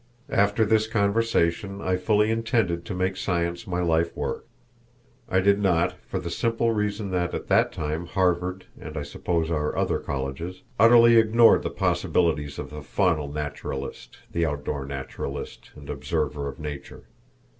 After this conversation I fully intended to make science my life work. I did not, for the simple reason that at that time Harvard, and I suppose our other colleges, utterly ignored the possibilities of the faunal naturalist, the outdoor naturalist and observer of nature.